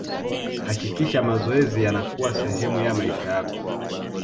hakikisha mazoezi yanakuwa sehemu ya maisha yako